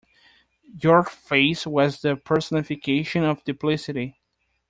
Your face was the personification of duplicity.